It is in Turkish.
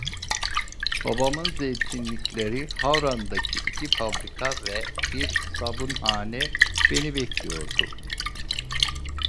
Babamın zeytinlikleri, Havran'daki iki fabrika ve bir sabunhane beni bekliyordu.